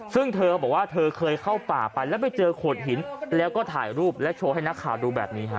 ซึ่งเธอบอกว่าเธอเคยเข้าป่าไปแล้วไปเจอโขดหินแล้วก็ถ่ายรูปและโชว์ให้นักข่าวดูแบบนี้ฮะ